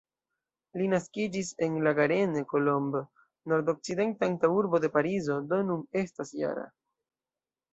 Li naskiĝis en La Garenne-Colombes, nordokcidenta antaŭurbo de Parizo, do nun estas -jara.